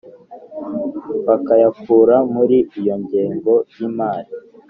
bakayakura muri iyo ngengo yimari